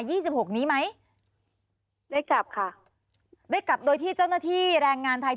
ี่สิบหกนี้ไหมได้กลับค่ะได้กลับโดยที่เจ้าหน้าที่แรงงานไทย